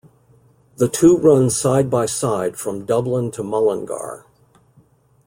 The two run side by side from Dublin to Mullingar.